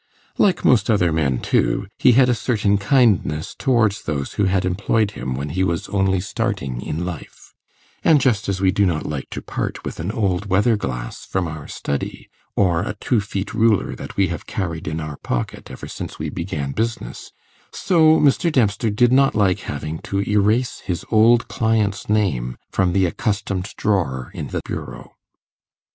Like most other men, too, he had a certain kindness towards those who had employed him when he was only starting in life; and just as we do not like to part with an old weather glass from our study, or a two feet ruler that we have carried in our pocket ever since we began business, so Mr. Dempster did not like having to erase his old client's name from the accustomed drawer in the bureau.